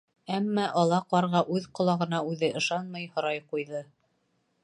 Әммә ала ҡарға үҙ ҡолағына үҙе ышанмай, һорай ҡуйҙы: